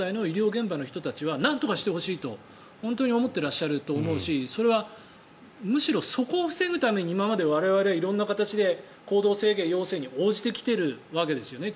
現場の人たちはなんとかしてほしいと本当に思っていらっしゃると思うしそれはむしろ、そこを防ぐために我々は今まで色んな形で行動制限要請に応じてきているわけですよね。